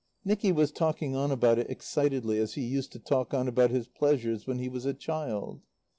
Nicky was talking on about it, excitedly, as he used to talk on about his pleasures when he was a child.